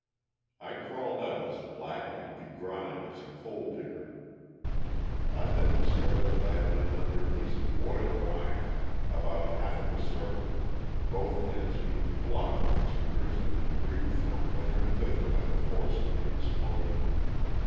I crawled out as black and begrimed as a coal digger. I then discov ered that I had been under a piece of boiler iron about a half of a circle, both ends being blocked with tim bers and debris thrown hither and thither by the force of the explosion.